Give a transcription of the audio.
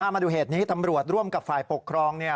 มาดูเหตุนี้ตำรวจร่วมกับฝ่ายปกครอง